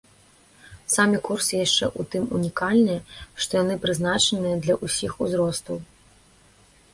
Самі курсы яшчэ ў тым унікальныя, што яны прызначаныя для ўсіх узростаў.